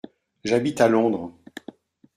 J’habite à Londres.